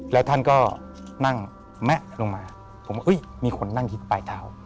แล้วท่านก็นั่งแมะลงมาผมว่ามีคนนั่งที่ปลายเท้า